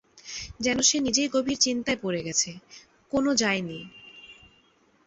যেন সে নিজেই গভীর চিন্তায় পড়ে গেছে, কোন যায় নি।